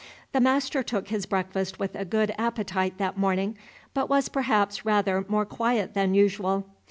The master took his breakfast with a good appetite that morning, but was perhaps rather more quiet than usual.